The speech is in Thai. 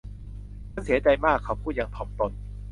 ฉันเสียใจมาก เขาพูดอย่างถ่อมตน